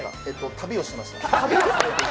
旅をしていました。